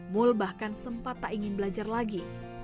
mul bahkan sempat tak ingin belajar lagi